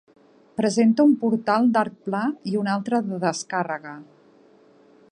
Presenta un portal d'arc pla i un altre de descàrrega.